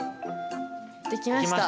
できました。